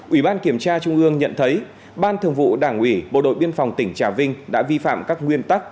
ủy ban kiểm tra trung ương nhận thấy ban thường vụ đảng ủy bộ đội biên phòng tỉnh trà vinh đã vi phạm các nguyên tắc